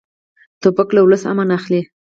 توپک له ولس امن اخلي.